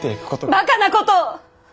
バカなことを！